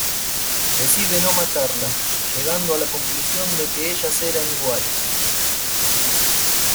Decide no matarla, llegando a la conclusión de que ellas eran iguales.